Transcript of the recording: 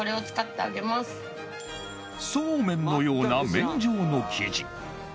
そうめんのような麺状の生地